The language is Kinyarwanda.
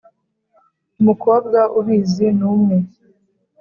Umukobwa ubizi numwe.